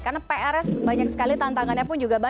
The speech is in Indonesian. karena pr nya banyak sekali tantangannya pun juga berbeda